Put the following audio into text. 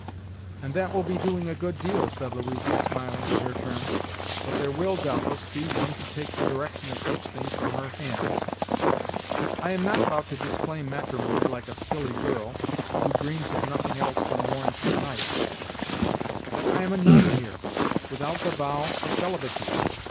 "And That will be doing a good deal," said Louisa, smiling in her turn. "But there will, doubtless, be one to take the direction of such things from her hands." "I am not about to disclaim matrimony, like a silly girl, who dreams of nothing else from morn till night; but I am a nun here, without the vow of celibacy.